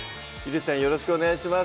よろしくお願いします